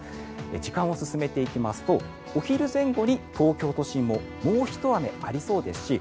時間を進めていきますとお昼前後に東京都心ももうひと雨ありそうですし